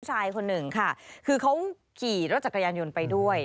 ชายคนหนึ่งค่ะคือเขาขี่รถจักรยานยนต์ไปด้วย